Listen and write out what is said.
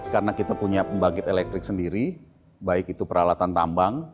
karena kita punya pembangkit elektrik sendiri baik itu peralatan tambang